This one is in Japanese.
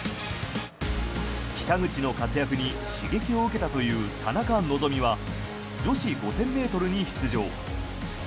北口の活躍に刺激を受けたという田中希実は女子５０００ｍに出場。